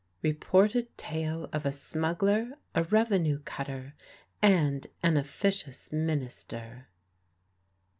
REPORTED TALE OF A SMUGGLER, A REVENUE CUTTER, AND AN OFFICIOUS MINISTER.